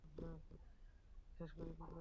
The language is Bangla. স্কুল শেষ করে কী করেছিলে?